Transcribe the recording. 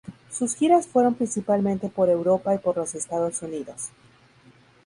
Sus giras fueron principalmente por Europa y por los Estados Unidos.